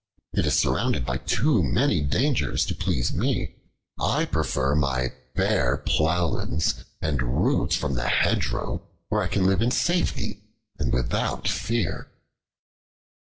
It is surrounded by too many dangers to please me. I prefer my bare plowlands and roots from the hedgerow, where I can live in safety, and without fear."